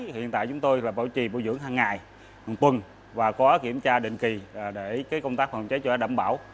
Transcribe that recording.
hiện tại chúng tôi là bảo trì bộ dưỡng hàng ngày hàng tuần và có kiểm tra định kỳ để công tác phòng cháy chữa cháy đảm bảo